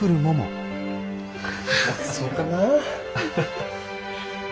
そうかな。